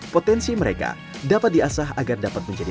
potensi mereka dapat diasah agar dapat menjadi